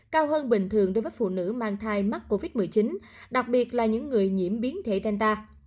cao hơn bình thường đối với phụ nữ mang thai mắc covid một mươi chín đặc biệt là những người nhiễm biến thể danta